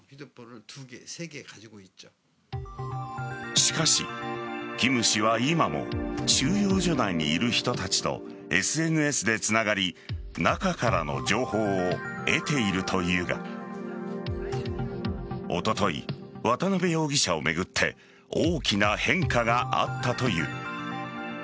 しかし、キム氏は今も収容所内にいる人たちとＳＮＳでつながり中からの情報を得ているというがおととい渡辺容疑者を巡って大きな変化があったという。